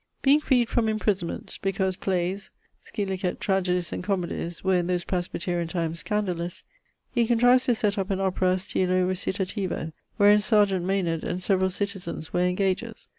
Being freed from imprisonment, (because playes, scil. Tragedies and Comoedies, were in those Presbyterian times scandalous) he contrives to set up an Opera stylo recitativo, wherein serjeant Maynard and severall citizens were engagers.